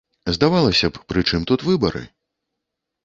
Здавалася б, пры чым тут выбары?